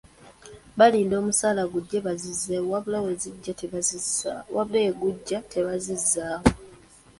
Balinda omusaala gujje bazizzeewo, wabula bwe gujja tebazizzaaawo.